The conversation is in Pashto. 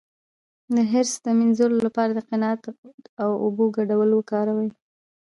د حرص د مینځلو لپاره د قناعت او اوبو ګډول وکاروئ